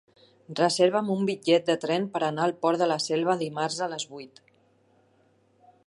Reserva'm un bitllet de tren per anar al Port de la Selva dimarts a les vuit.